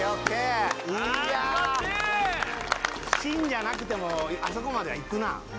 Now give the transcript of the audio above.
芯じゃなくてもあそこまでは行くな。